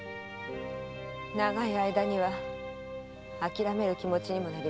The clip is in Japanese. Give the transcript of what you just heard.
長い間には諦める気持ちにもなりました。